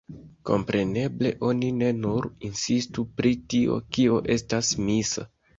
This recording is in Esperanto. Kompreneble, oni ne nur insistu pri tio, kio estas misa.